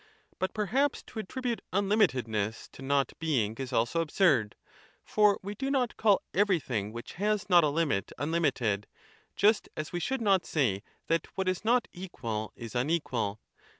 But perhaps to attribute unlimitedness to Not being is also absurd ; for we do not call everything which has not a limit unlimited, just as we should not say that what is not equal is unequal.